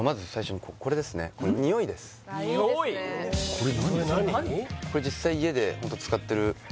これ何？